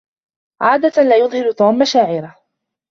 عادة لا يظهر توم مشاعره.